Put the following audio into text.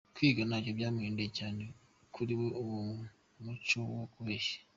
Kwiga ntacyo byahinduye cyane kuri wa muco wo kubeshya.